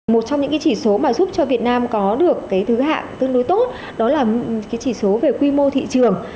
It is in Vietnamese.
một trong những chỉ số mà giúp cho việt nam có được cái thứ hạng tương đối tốt đó là cái chỉ số về quy mô thị trường